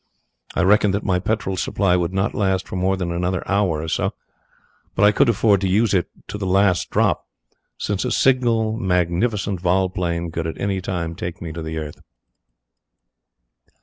I reckoned that my petrol supply would not last for more than another hour or so, but I could afford to use it to the last drop, since a single magnificent vol plane could at any time take me to the earth.